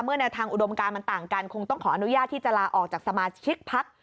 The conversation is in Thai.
แนวทางอุดมการมันต่างกันคงต้องขออนุญาตที่จะลาออกจากสมาชิกพัก